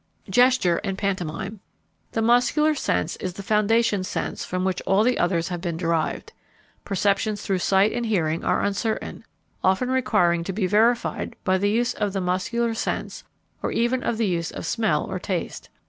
_ Gesture and Pantomime. The muscular sense is the foundation sense from which all the others have been derived. Perceptions through sight and hearing are uncertain, often requiring to be verified by the use of the muscular sense or even by the use of smell or taste.